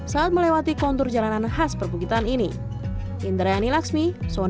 saat melewati kontur jalanan khas perbukitan ini